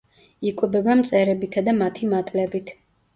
იკვებება მწერებითა და მათი მატლებით.